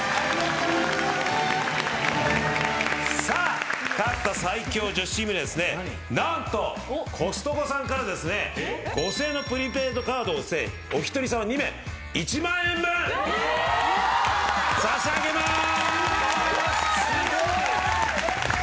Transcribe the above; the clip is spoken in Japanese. さあ勝った最強女子チームには何とコストコさんから５，０００円のプリペイドカードをお一人さま２枚１万円分差し上げます！